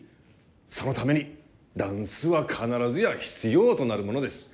そのためにダンスは必ずや必要となるものです。